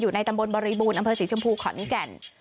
ในตำบลบริบูรณ์อำเภอศรีชมพูขอนแก่น